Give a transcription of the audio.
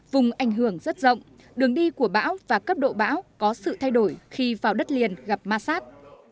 vùng ảnh hưởng rất rộng đường đi của bão và cấp độ bão có sự thay đổi khi vào đất liền gặp masat